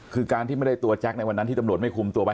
คือการที่ไม่ได้ตัวแจ็คในวันนั้นที่ตำรวจไม่คุมตัวไป